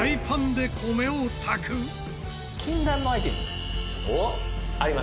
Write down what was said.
「禁断のアイテムあります」